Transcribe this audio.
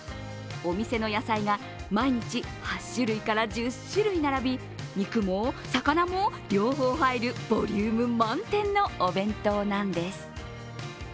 お店の野菜が毎日８種類から１０種類並び肉も魚も両方入るボリューム満点のお弁当なんです。